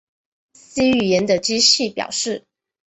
C 语言的机器表示